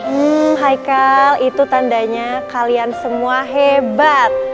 hmm haikal itu tandanya kalian semua hebat